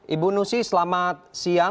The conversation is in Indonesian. ibu nusy selamat siang